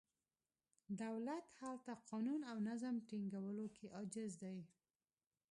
دولت هلته قانون او نظم ټینګولو کې عاجز دی.